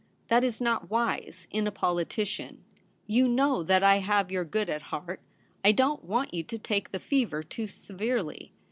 That is not wise — in a politician. You know that I have your good at heart. I don't want you to take the fever too severely.